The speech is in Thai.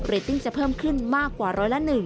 ติ้งจะเพิ่มขึ้นมากกว่าร้อยละ๑